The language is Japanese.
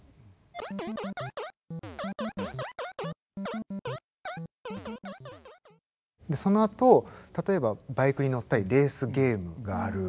あ！でそのあと例えばバイクに乗ったりレースゲームがある。